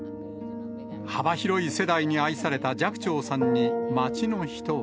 幅広い世代に愛された寂聴さんに街の人は。